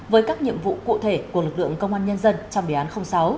với các nhiệm vụ cụ thể của lực lượng công an nhân dân trong đề án sáu